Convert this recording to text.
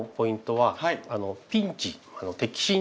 はい。